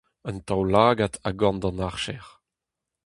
Un taol-lagad a-gorn d'an archer :